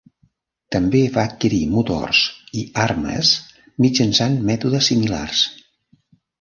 També va adquirir motors i armes mitjançant mètodes similars.